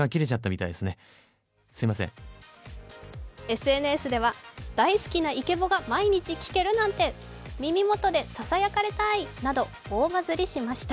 ＳＮＳでは大好きなイケボが毎日聴けるなんて、耳元でささやかれたいなど、大バズリしました。